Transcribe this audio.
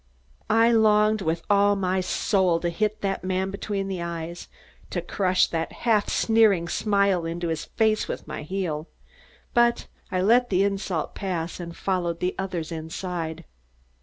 I longed with all my soul to hit the man between the eyes, to crush that half sneering smile into his face with my heel, but I let the insult pass and followed the others inside.